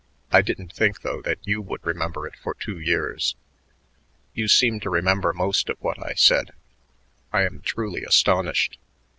I didn't think, though, that you would remember it for two years. You seem to remember most of what I said. I am truly astonished."